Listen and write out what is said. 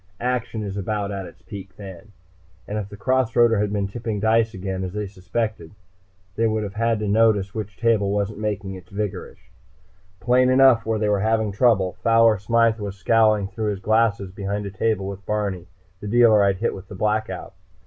Action is about at its peak then, and if the cross roader had been tipping dice again, as they suspected, they would have had time to notice which table wasn't making its vigorish. Plain enough where they were having trouble. Fowler Smythe was scowling through his glasses behind a table with Barney, the dealer I'd hit with the Blackout.